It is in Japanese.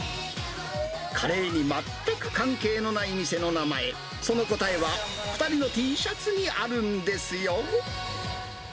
カレーに全く関係のない店の名前、その答えは２人のＴシャツにあるんですよ。